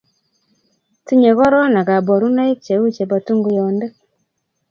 tinyei korona kaborunoik cheu chebo tunguyonde